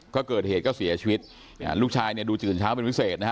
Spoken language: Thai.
ก็เกิดเหตุก็เสียชีวิตลูกชายเนี่ยดูตื่นเช้าเป็นพิเศษนะฮะ